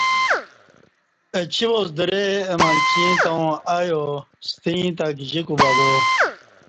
اچی واس درئ اہ منچی ایں تاوں ایا ستہ ایں تہ گجی کوبہ با۔